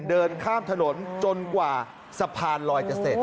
เดินข้ามถนนจนกว่าสะพานลอยจะเสร็จ